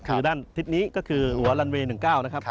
คือด้านทิศนี้ก็คือหัวลันเวย์๑๙นะครับ